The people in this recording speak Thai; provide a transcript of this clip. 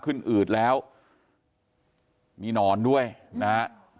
กลุ่มตัวเชียงใหม่